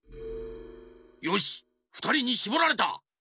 よしふたりにしぼられた！